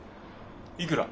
いくら？